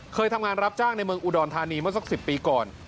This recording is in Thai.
เคยทำงานรับจ้างในเมืองอุดรธานีเมื่อสัก๑๐ปีก่อน